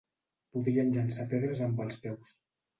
Podrien llençar pedres amb els peus.